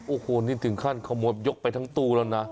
โอ้โหนี่ถึงขั้นขโมยยกไปทั้งตู้แล้วนะ